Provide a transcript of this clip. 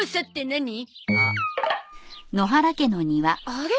あれ？